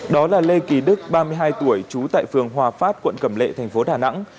đó là lê kỳ đức ba mươi hai tuổi trú tại phường hòa phát quận cẩm lệ thành phố đà nẵng